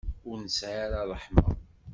Ur nesɛi ara ṛṛeḥma.